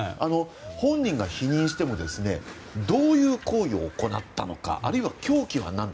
本人が否認してもどういう行為を行ったのかあるいは凶器は何か。